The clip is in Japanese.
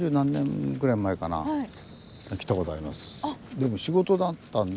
でも仕事だったんで。